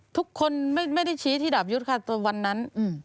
ทุกคนไม่ได้ชี้ที่ดาบยุทธ์ค่ะวันนั้น